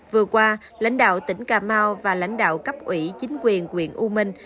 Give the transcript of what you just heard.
vừa qua lãnh đạo tỉnh cà mau và lãnh đạo cấp ủy chính quyền quyện u minh